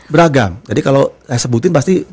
beragam jadi kalau saya sebutin pasti